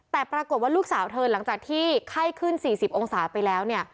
แต่ปรากฏว่าลูกสาวเธอหลังจากที่ไข้ขึ้น๔๐องศาไปแล้วเนี่ย